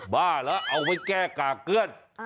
บ้าเหรอเอาไว้แก้ก่าเกลื้อน